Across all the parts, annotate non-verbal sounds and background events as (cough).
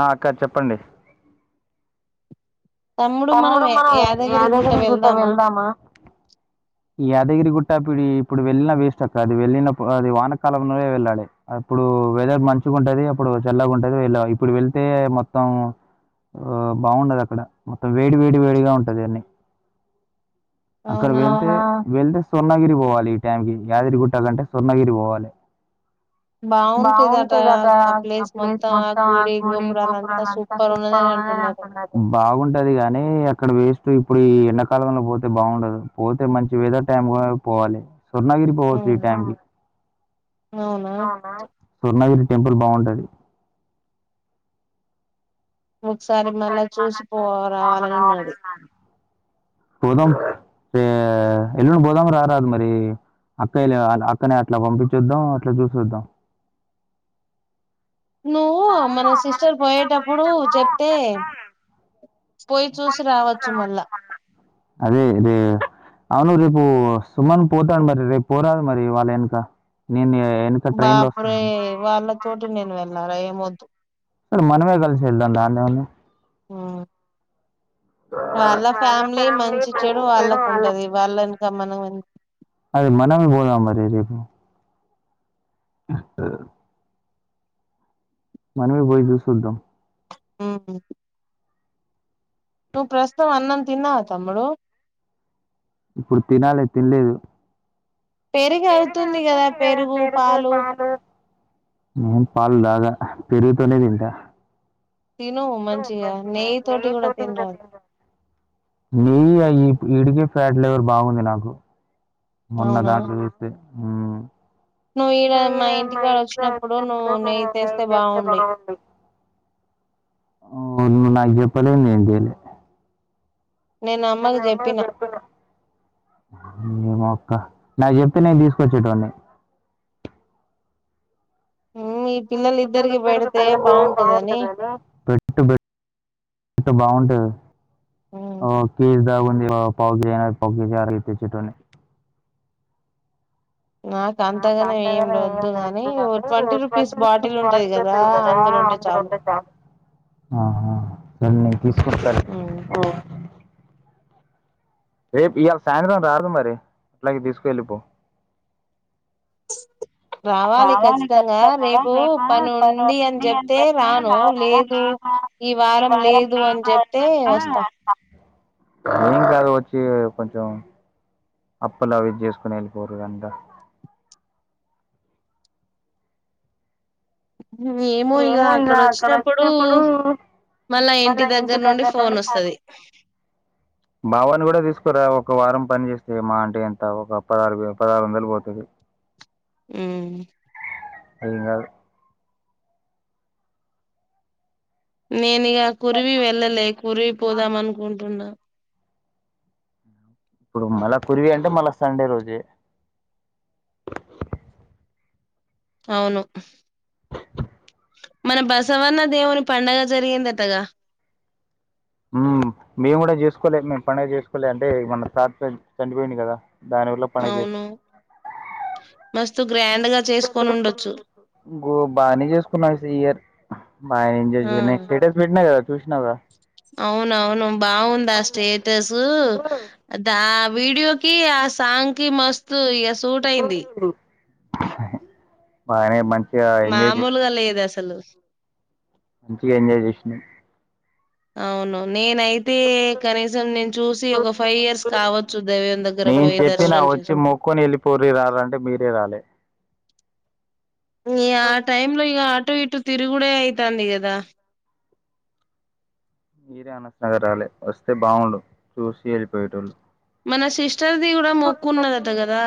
ఆ అక్క చెప్పండి తమ్ముడు మనం యాదగిరి గుట్ట వెళ్దామా ఈ యాదగిరి గుట్ట ఇప్పుడు ఇప్పుడు వెళ్ళిన వేస్ట్ అక్క అది వెళ్ళినప్పుడు అది వానకాలంలోనే వెళ్ళాలి అప్పుడు వెదర్ మంచిగా ఉంటది అప్పుడు చల్లగా ఉంటది వెళ్ళ ఇప్పుడు వెళ్తే మొత్తం బాగుండదు అక్కడ మొత్తం వేడి వేడి వేడిగా ఉంటది అన్నీ అక్కడ వెళ్తే వెళ్తే స్వర్ణగిరి పోవాలి ఈ టైంకి యాదిరిగుట్ట కంటే స్వర్ణగిరి పోవాలి బాగుంటదట ఆ ప్లేస్ మొత్తం ఆ గుడి గోపురాలు అంతా సూపర్ ఉన్నని బాగుంటది కాని అక్కడ వే ఇప్పుడు ఎండ కాలంలో పో బాగుండదు పోతే మంచి వెదర్ టైం పోవాలి స్వర్ణగిరి పోవచ్చు ఈ టైంకి స్వర్ణగిరి టెంపుల్ బాగుంటది ఒకసారి మళ్ళా చూసి పో రావాలని ఉన్నది పోదాం ఏ ఎల్లుండి పోదాం రారాదు మరి అక్క వె అక్కనే అట్లా పంపించొద్దాం అట్లా చూసొద్దాం నువ్వు మన సిస్టర్ పోయేటప్పుడు చెప్తే పోయి చూసి రావచ్చు మళ్ళా అదే రే అవును రేపు సుమను పోతాను మరి రేపు పోరాదు మరి వాళ్ళ వెనక నేను బాపురే వాళ్ళ చోటు నేను వెళ్ళారా ఏమద్దు మనమే వెళ్ళేసొద్దాం దానిదేముంది ఆ ఆది మనమే పోదాం మరి రేపు ఆ మనవి పోయేసి వద్దాం ఆ తూ ప్రస్తుథం అన్నం తిన్నావ తమ్ముడు ఇప్పుడు తినాలి తినలేదు పెరుగవుతుంది కదా పెరుగు పాలు నేను పాలు తాగా పెరుగుతోనే తింటా తిను మంచిగా నెయ్యి తోటి కూడా తినరాదు నెయ్యి అయ్యి ఈడికే ఫ్యాట్ లేవర్ బాగుంది నాకు మొన్న దాంట్లో వేస్తే ఆ నువ్వు ఈడ మా ఇంటికాారు వచ్చినప్పుడు నువ్వు నెయ తెస్తే బాగుండవి న రూపాయల నేందేలి మ అమ్మ బర్తనా నాకు చెప్తే నేను తీసుకొచ్చేటోడి ఈ పిల్లలు ఇద్దరికి పెడితే బాగుంటదని అ బాగుంటుది ఓ కర్ దాగు ప ప అ తెచ్చిట్డి నాకు అంతగాన ఏమి లేద్దు గాని ట్వంటీ రూపీస్ బాటిల్ ఉంటాది కదా అందులో ఉంటేయి చాలు ధన్ తీసుకుొంటారు రేపు ఇవా సాయంత్రం రాదు మరి అట్లాగ తీసుకువెళ్ళిపో రావాలి ఖచ్చితంగా రేపు పని ఉంది అని చెప్తే రాను లేదు ఈ వారం లేదు అని చెప్తే వస్తా ఏం కాదు వచ్చి కొంచెం అప్పులు అవిది చేసుకుొని వెళ్ళిపోరు అంతా ఏమో ఇక అక్కడ వచ్చినప్పుడు మళ్ళా ఇంటి దగ్గర నుండి ఫోన్ వస్తుది కూడా తీసుకురా ఒక వారం పని చేస్తే మా అంటే ఎంత ఒక పదహారుే పదహారు వందలు పోతుది ఆ (inaudible) అలింగ నేను గా కురివి వెళ్ళలే కురివి పోదాం అనుకుంటున్నా ఇప్పుడు మళ్ళా కురివి అంటే మళ్ళా సండే రోజే అవును మన బసవర్ణ దేవుని పండగ జరిగిందటగా మేము కూడా చేసుకోలే మేము పనిగా చేసుకోలేి అంటే మన త చనిపోయింది కదా దాని వల్ల పని చేసుకోి మస్తు గో బానే చేసుకున్నా ఇయర్ మాయ ఇంజజ పటేస్ భేట్ క చూష్నావా అవునవును బాగుంది ఆ స్టేటస్ దా వీడియో కి ఆ సాంగ్ కి మస్ ఇక సూట్ అయింది బానే మంచి మామూలుగా లేదు అసలు మంచిగా ఎంజాయ్ చేసినాం. అవునవును నేనైతే కనీసం నేను చూసి ఒక ఫైవ్ ఇయర్స్ కావచ్చు. దేవుని దగ్గర పోయి దర్శనం చేస్ ఈ ఆ టైమ్ లో ఇగా అటు ఇటు తిరుగుడే అయితాది గదా మీరే అనవసరంగా రాలే వస్తే బాగుండు. చూసి వెళ్ళిపోయేటోళ్ళు మన సిస్టర్ది కూడా మొక్కున్నదట కదా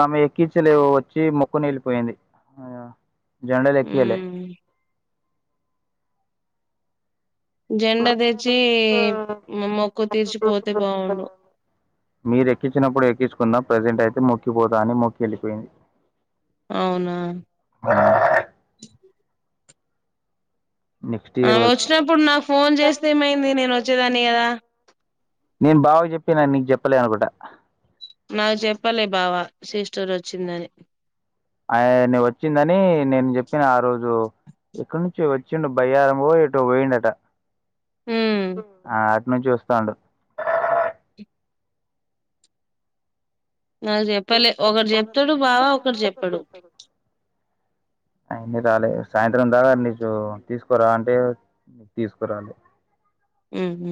ఆమె ఎక్కిచలే వచ్చి మొక్కుని వెళ్ళిపోయింది. ఆ జండలక్కీలే జండా తెచ్చి మొక్కు తీర్చిపోతే బావుండు. ప్రజెంట్ అయితే మొక్కిపోతా అని మొక్కి వెళ్ళిపోయింది. అవునా ఆ ఆ వచ్చినప్పుడు నాకు ఫోన్ చేస్తే ఏమైంది. నేను వచ్చేదాన్ని కదా (unintelligible) అనుగుంట నాకు చెప్పాలి బావ సిస్టర్ వచ్చిందని ఆయనా వచ్చిందని నేను చెప్పిన ఆ రోజు ఇక్కడి నుంచో వచ్చిండు. బయ్యారంమో ఎటో పోయిండట ఆర్ మంచిగా చూస్తాండు. నాకు చెప్పలే ఒకరు చెప్తాడు. బావా ఒకటి చెప్పాడు ఆయన రాలే సాయంత్రం, దాకా నీచు తీసుకురా అంటే తీసుకురాలే హ్మ్ హు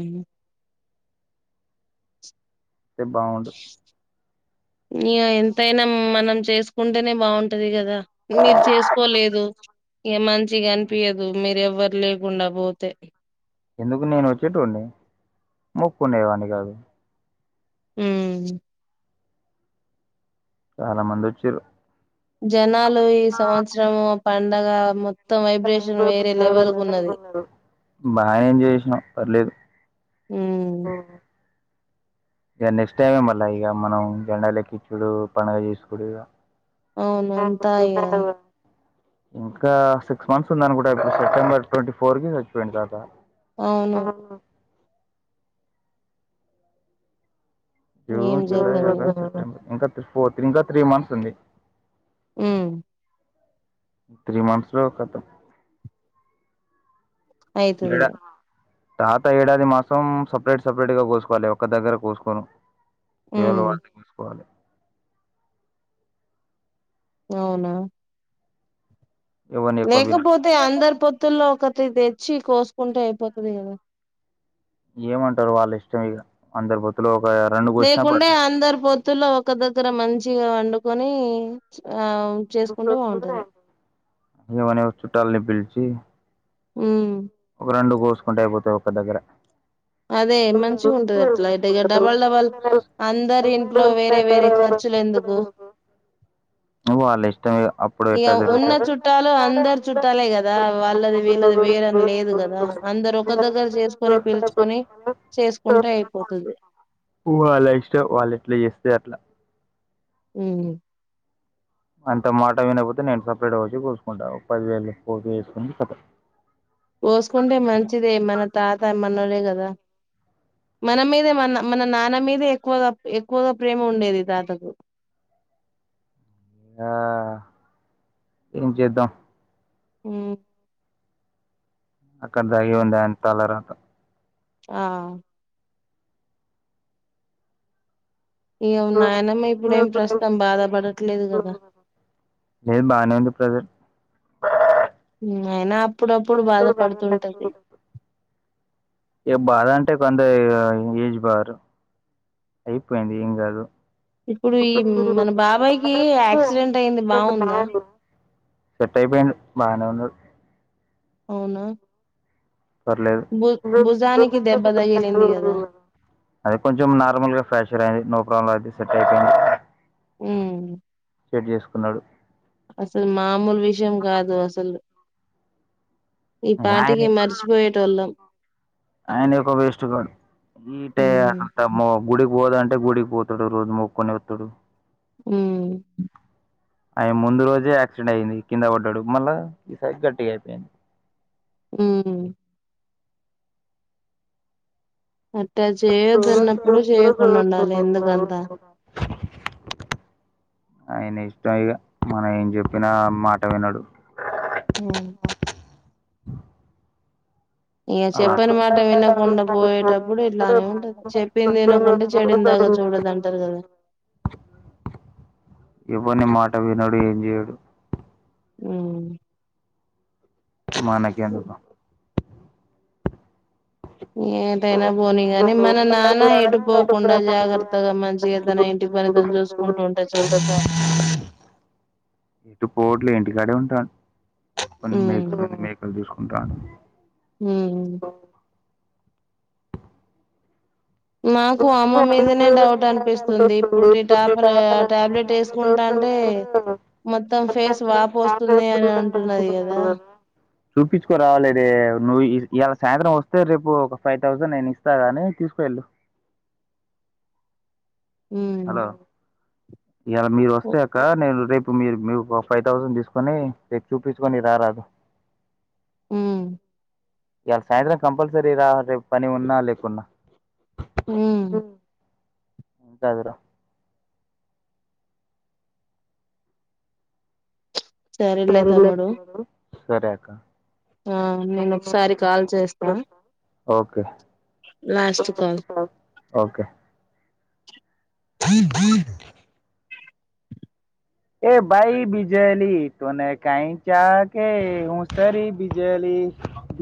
అంటే బాగుండు. ఇగా ఎంతైనా మనం చేసుకుంటేనే బాగుంటది. కదా మీరు చేసుకోలేదు. ఇగా మంచి మంచిగా అనిపయదు. మీరు ఎవ్వరు లేకుండా పోతే ఎందుకు నేను వచ్చేటోడ్ని, మొక్కుంనే వాడ్ని కాదు. హ్మ్ చాలామంది వచ్చిరూ జనాలు ఈ సంవత్సరము పం పండగ మొ బాగా ఎంజాయ్ చేసినం పర్లేదు ఇక నెక్స్ట్ టైమే మళ్ళ ఇగా మనం జండాలు లెక్కించుడు, పండగ చేసుకోడు ఇగా అవును అంతాయీగా ఇంకా సిక్స్ మంత్స్ ఉందనుకుంటా సెప్టెంబర్ ట్వంటీ ఫోర్ కి చచ్చిపోయిండు తాత ఆ జూన్ జూలై ఆగస్ట్ సెప్టెంబర్ ఇంకా ఫర్ ఇంకా త్రీ మంత్స్ ఉంది. ఊ త్రీ మంత్స్ లో కతం అయితదిగా తాత ఏడాది మాసం సపరేట్ సపరేట్ గా కోసుకోవాలి ఒక్క దగ్గర కోసుకోను ఎవలిది వాళ్ళు చేసుకోవాలి అవునా లేకపోతే అందరు పొత్తుల్లో ఒక తెచ్చి కోసుకుంటే అయిపోతుది కదా ఏమంటారు వాళ్ళ ఇష్టం ఇ అందరు పొత్తుల లేకుండే అందరు పో పొత్తులో ఒక దగ్గర మంచిగా వండుకొని ఆ చేసుకుంటే బాగుంటది ఎవరు ఎవర్ని చుట్టాలని పిలిసి ఉ రెండు కోసుకుంటే అయిపోతాయి ఒక్కదగ్గర అదే మంచిగా ఉంటది అట్లా అయితే ఇ డబల్ డబల్ అందరి ఇంట్లో వేరే వేరే ఖర్చులు ఎందుకు ఇగా ఉన్న చుట్టాలు అందరి చుట్టాలే కదా వాళ్ళది వీళ్లది వేర లేదు కదా అందరు ఒక దగ్గర చేసుకొని పిలుచుకొని చేసుకుంటే అయిపోతుది హు అంత మాట వినకపోతే నేను సపరేట్ వచ్చి కోసుకుంటా పదివేలు పోగు వేసుకుని కతం పోసుకుంటే మంచిదే మన తాత మనలే కదా మన మీదే మన మన నాన్న మీదే ఎక్కువగా ఎక్కువగా ప్రేమ ఉండేది తాతకు ఇం చేేద్ద హ అక్కడ దగి ఉందాయ తలరాంత ఆ ఇ నాయనమ్మ ఇప్పుడు ఏం ప్రస్తతాం బాధ పడట్లేదు కదా ఆ నా అప్పుడప్పుడు బాధపడుతుంటది ఏ బాధ అంటే కొంద ఏజ్ బారు అయిపోయింది ఏం కాదు ఇప్పుడు ఈ మన బాబాయ్కిి యాక్సిడెంట్ అయింది బాగుందా సెట్ అయిపోయిది బాగానే వున్నాడు అవునా పర్లేదు అది కొంచెం నార్మల్ గా ఫ్రాక్చర్ అయింది నో అయితే సెట్ అయిపోంది అ సైట్ చేసుకున్నాడు అసలు మామూలు విషయం కాదు అసలు ఆయన ఆయన ఒక వేస్ట్ గాడు ఈట అసంత గుడికి పోదుంటే గుడికి పోతాడు రోజు మొక్క్కకుొని వతాడు అ ఆయన ముందు రోజే యాక్సిడెంట్ అయింది కింద పడ్డాడు మళ్ళా ఈసారి గట్టిగా అయిపోయింది అ ఓ అట్టే చేయొదున్నప్పుడు చేయకుండా ఉండాలి ఎందుకంతా ఆయన ఇష్టం ఇక మనం ఏం చెప్పినా మాట విన్నాడు ఆ ఇంక చెప్పని మాట వినకుండా పోయేటప్పుడు ఇట్లానే ఉంటది చెప్పింది వినకుండా చెడిన దాకా చూడదు అంటారు కదా అట్ట వినడు ఏం చేయడు అ మనకెందుకు ఏటైనా పోనీ గాని మన నాన్న ఎటు పోకుండా జాగ్రత్తగా మంచిగా తన ఇంటి పని తను చూసుకుంటూ ఉంటే చాలు పోవట్లే ఇంటికాడే ఉంటాను మెక మెకసు ఉంటాడు హ మాకు అమ్మ మీదనే డౌట్ అనిపిస్తుంది ఇప్పుడు ట టాబ్లెట్ వేసుకుంటాంటే మొత్తం ఫేస్ వాప్ వస్తుంది అని అంటున్నది కదా చూపించుకోరా నువ్వు ఇవాళ సాయంత్రం వస్తే రేపు ఒక ఫైవ్ తథౌసండ్ నేను ఇస్తా గాని తీసుకు వెెళ్ళు హలో ఇలా మీరు వస్తే అక్క నేను మీరు మీకు ఒక ఫైవ్ థౌసండ్ తీసుకొని చూపించుకొని రారదు ఉమ్ ఇవాళ సాయంత్రం కంపల్సరీ రా పని ఉన్నా లేకున్నా హ సరే సరలే తమ్ముడు సరే అక్క ఆ నేను ఒకసారి కాల్ చేస్తా ఓకే ఓకే తన్ దన్ ఏ బయి బిజలి తనే కై చాక హూ సర బిజలి ద